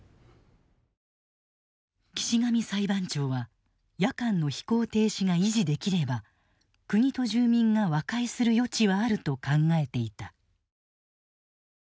岸上裁判長は夜間の飛行停止が維持できれば国と住民が和解する余地はあると考えていた。